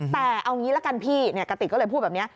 แต่เอางี้ละกันพี่กติกก็เลยพูดแบบนี้